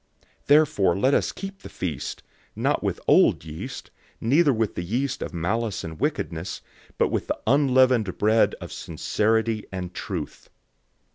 005:008 Therefore let us keep the feast, not with old yeast, neither with the yeast of malice and wickedness, but with the unleavened bread of sincerity and truth.